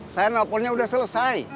saya nelfonnya udah selesai